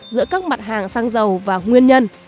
giữa các mặt hàng xăng dầu và nguyên nhân